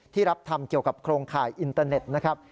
รับทำเกี่ยวกับโครงข่ายอินเตอร์เน็ตนะครับ